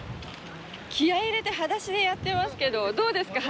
気合い入れて裸足でやってますけどどうですか？